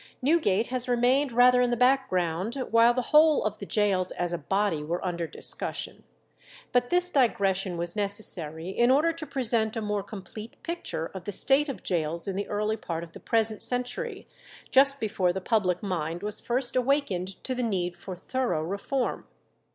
Newgate has remained rather in the background while the whole of the gaols as a body were under discussion. But this digression was necessary in order to present a more complete picture of the state of gaols in the early part of the present century, just before the public mind was first awakened to the need for thorough reform.